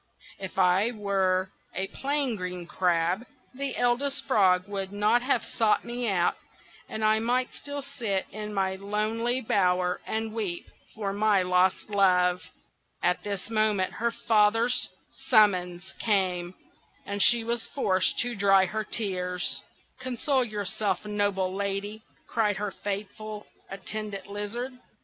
If I were a plain green crab the Eldest Frog would not have sought me out, and I might still sit in my lonely bower and weep for my lost love." At this moment her father's summons came, and she was forced to dry her tears. "Console yourself, noble Lady!" cried her faithful Attendant Lizard.